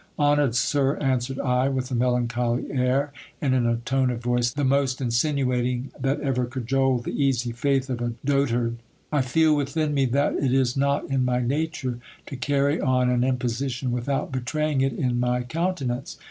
Honoured sir, answered I, with a melancholy air, and in a tone of voice the most insinuating that ever cajoled the easy faith of a dotard, I feel within me that it is not in my nature to carry on an imposition without betraying it in my countenance.